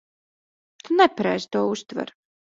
Tu nepareizi to uztver.